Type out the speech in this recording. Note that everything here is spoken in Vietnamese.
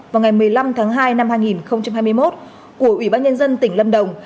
vào ngày một mươi năm tháng hai năm hai nghìn hai mươi một của ủy ban nhân dân tỉnh lâm đồng